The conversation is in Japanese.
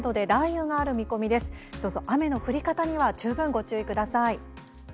雨の降り方には十分ご注意ください。